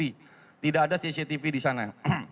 itu sepi tidak ada cctv di sana